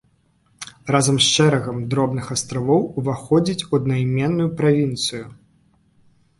Разам з шэрагам дробных астравоў уваходзіць у аднаіменную правінцыю.